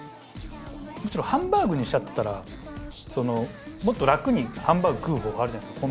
むしろハンバーグにしちゃってたらもっと楽にハンバーグ食う方法あるじゃないですか。